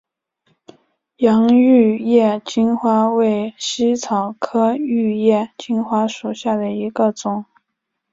洋玉叶金花为茜草科玉叶金花属下的一个种。